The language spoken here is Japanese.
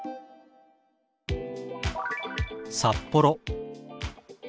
「札幌」。